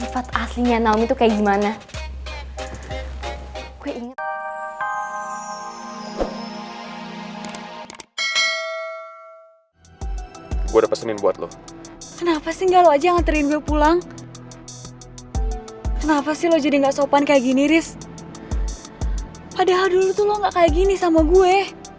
padahal dulu tuh lo gak kayak gini sama gue